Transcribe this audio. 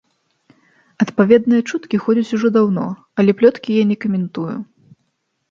Адпаведныя чуткі ходзяць ужо даўно, але плёткі я не каментую.